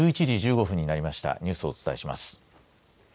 １１時１５分になりましたニュースをお伝えします。